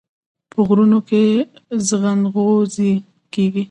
په غرونو کې ځنغوزي کیږي.